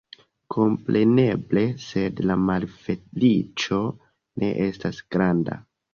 Kompreneble, sed la malfeliĉo ne estas granda.